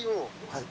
はい。